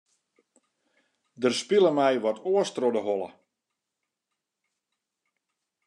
Der spile my wat oars troch de holle.